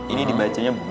ini dibacanya b